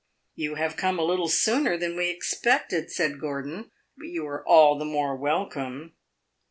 "You have come a little sooner than we expected," said Gordon; "but you are all the more welcome."